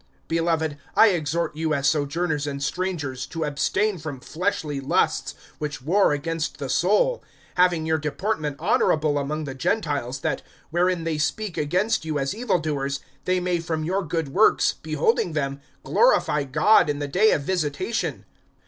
(11)Beloved, I exhort you as sojourners and strangers, to abstain from fleshly lusts, which war against the soul; (12)having your deportment honorable among the Gentiles; that, wherein they speak against you as evil doers, they may from your good works, beholding them, glorify God in the day of visitation.